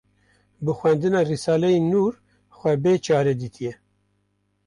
bi xwendina Risaleyên Nûr xwe bê çare dîtîye